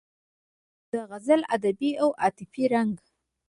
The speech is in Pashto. د غزل ادبي او عاطفي رنګ